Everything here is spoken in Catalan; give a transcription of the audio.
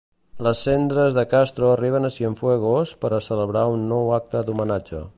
Les cendres de Castro arriben a Cienfuegos per a celebrar un nou acte d'homenatge.